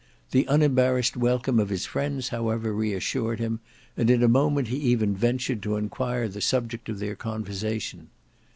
The unembarrassed welcome of his friends however re assured him, and in a moment he even ventured to enquire the subject of their conversation.